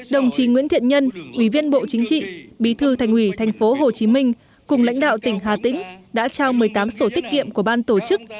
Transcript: đồng chí nguyễn thiện nhân ủy viên bộ chính trị bí thư thành ủy tp hcm cùng lãnh đạo tỉnh hà tĩnh đã trao một mươi tám sổ tiết kiệm của ban tổ chức